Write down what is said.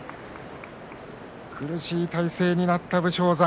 苦しい体勢になった武将山